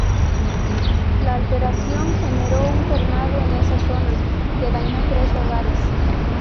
La alteración generó un tornado en esa zona, que dañó tres hogares.